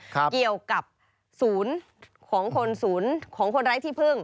เกี่ยวกับศูนย์ของคนศูนย์ของคนไร้ที่พึ่ง